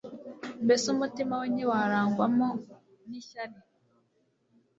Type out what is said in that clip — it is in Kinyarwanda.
mbese umutima we ntiwarangwamo n'ishyari.